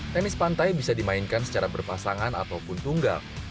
tenis pantai bisa dimainkan secara berpasangan ataupun tunggal